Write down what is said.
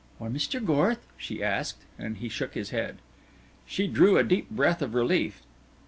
"Or Mr. Gorth?" she asked, and he shook his head. She drew a deep breath of relief.